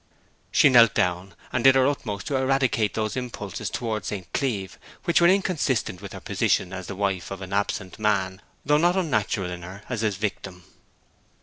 She knelt down, and did her utmost to eradicate those impulses towards St. Cleeve which were inconsistent with her position as the wife of an absent man, though not unnatural in her as his victim.